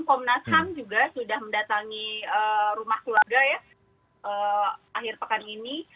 komnas ham juga sudah mendatangi rumah keluarga ya akhir pekan ini